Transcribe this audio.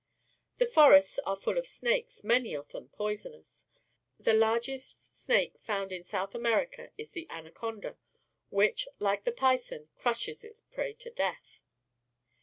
The forests are full of snakes, many of them poisonous. The largest snake found in South America is the anacon^, which, like the python, crushes its prey to death.